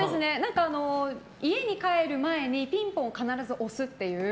家に帰る前にピンポンを必ず押すっていう。